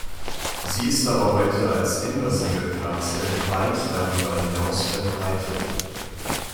Sie ist aber heute als invasive Pflanze weit darüber hinaus verbreitet.